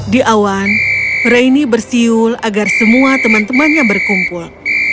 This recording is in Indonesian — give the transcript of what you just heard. di awan raini bersiul agar semua teman temannya berkumpul